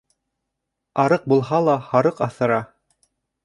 Арыҡ булһа ла һарыҡ аҫыра.